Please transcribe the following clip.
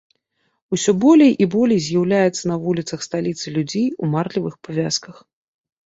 Усё болей і болей з'яўляецца на вуліцах сталіцы людзей у марлевых павязках.